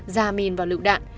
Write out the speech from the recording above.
ra mìn và lựu đạn